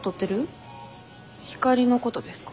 光莉のことですか？